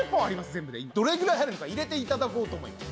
全部でどれぐらい入るのか入れていただこうと思います。